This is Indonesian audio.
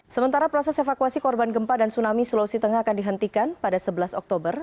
sementara proses evakuasi korban gempa dan tsunami sulawesi tengah akan dihentikan pada sebelas oktober